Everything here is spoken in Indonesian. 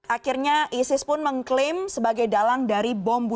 akhirnya isis pun mengklaim sebagai dalang dari bom